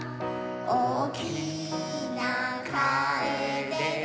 「おおきなカエデの木」